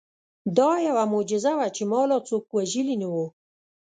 دا یوه معجزه وه چې ما لا څوک وژلي نه وو